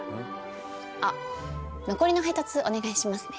あっ残りの配達お願いしますね。